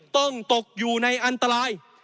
ต้องตกอยู่ในอันตราย